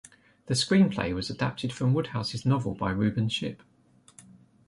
The screenplay was adapted from Wodehouse's novel by Reuben Ship.